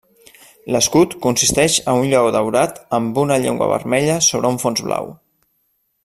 L'escut consisteix a un lleó daurat amb una llengua vermella sobre un fons blau.